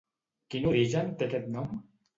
Quin origen té aquest nom?